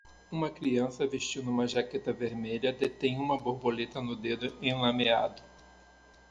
Uma criança vestindo uma jaqueta vermelha detém uma borboleta no dedo enlameado.